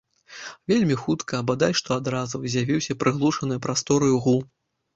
Вельмі хутка, бадай што адразу, з'явіўся прыглушаны прастораю гул.